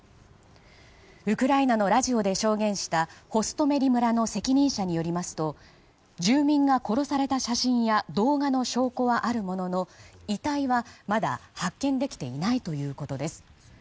ウクライナのラジオで証言したホストメリ村の責任者によりますと住民が殺された写真や動画の証拠はあるものの遺体はまだ発見できていないということです。